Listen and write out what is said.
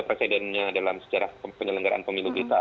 presidennya dalam sejarah penyelenggaraan pemilu kita